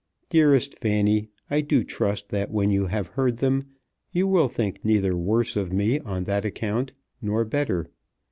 Dearest Fanny, I do trust that when you have heard them you will think neither worse of me on that account, nor better.